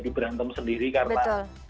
jadi berantem sendiri karena